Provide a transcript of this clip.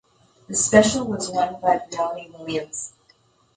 The special was won by Briony Williams.